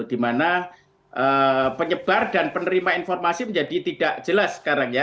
dimana penyebar dan penerima informasi menjadi tidak jelas sekarang ya